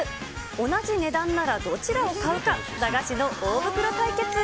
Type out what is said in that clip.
同じ値段ならどちらを買うか、駄菓子の大袋対決。